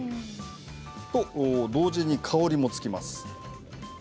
それと同時に香りもつきます。